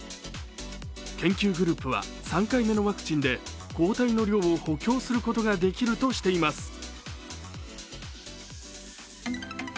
研究グループは３回目のワクチンで抗体の量を補強することができるとしています。